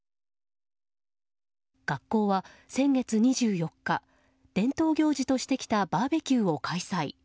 学校は先月２４日伝統行事としてきたバーベキューを開催。